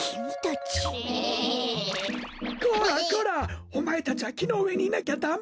こらこらおまえたちはきのうえにいなきゃダメだろ。